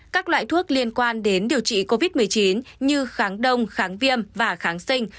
các loại thuốc liên quan đến điều trị covid một mươi chín như kháng đông kháng viêm và kháng sinh